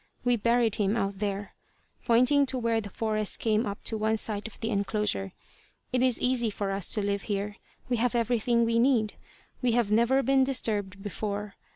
"We buried him out there," pointing to where the forest came up to one side of the enclosure. "It is easy for us to live here. We have everything we need. We have never been disturbed before.